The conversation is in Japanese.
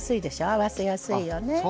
合わせやすいよね。